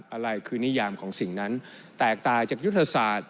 อะไรคือนิยามของสิ่งนั้นแตกต่างจากยุทธศาสตร์